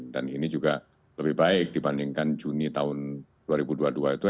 dan ini juga lebih baik dibandingkan juni tahun dua ribu dua puluh dua itu